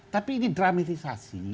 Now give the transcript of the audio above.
tapi ini dramatisasi